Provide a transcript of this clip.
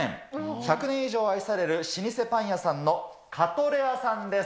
１００年以上愛される老舗パン屋さんのカトレアさんです。